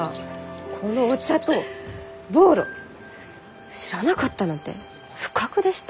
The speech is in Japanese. このお茶とボーロ知らなかったなんて不覚でしたよ。